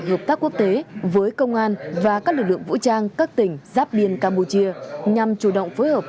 hợp tác quốc tế với công an và các lực lượng vũ trang các tỉnh giáp biên campuchia nhằm chủ động phối hợp